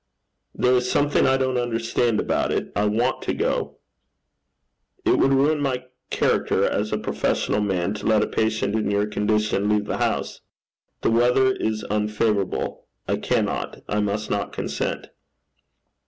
'There is something I don't understand about it. I want to go.' 'It would ruin my character as a professional man to let a patient in your condition leave the house. The weather is unfavourable. I cannot I must not consent.'